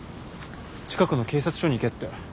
近くの警察署に行けって。